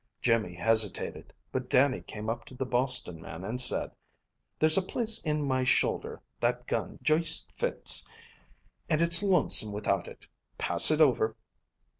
Jimmy hesitated. But Dannie came up to the Boston man and said: "There's a place in my shoulder that gun juist fits, and it's lonesome without it. Pass it over."